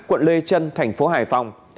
quận lê trân tp hải phòng